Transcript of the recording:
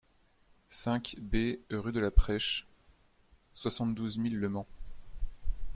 cinq B rue de la Presche, soixante-douze mille Le Mans